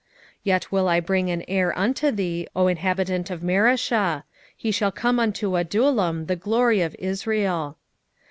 1:15 Yet will I bring an heir unto thee, O inhabitant of Mareshah: he shall come unto Adullam the glory of Israel.